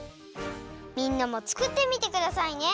みんなもつくってみてくださいね。